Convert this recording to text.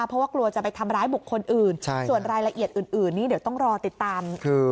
เพราะว่ากลัวจะไปทำร้ายบุคคลอื่นส่วนรายละเอียดอื่นนี้เดี๋ยวต้องรอติดตาม